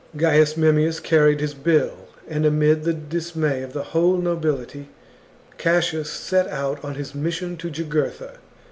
Gaius Memmius carried his bill, and amid the dismay of the whole nobility, Cassius set out on his mission to Jugurtha.